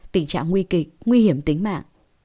tình trạng nguy kịch nguy hiểm tính mạng